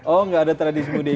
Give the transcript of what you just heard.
oh nggak ada tradisi mudik